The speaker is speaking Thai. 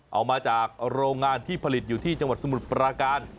เอามาจากโรงงานที่ผลิตอยู่ที่จังหวัดสมุทรปราการ